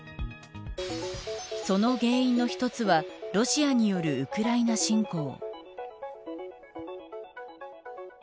その原因の一つはロシアによるウクライナ侵攻。